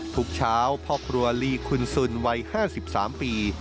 ทุกเช้าพ่อครัวลีคุณสุนวัย๕๓ปี